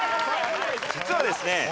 実はですね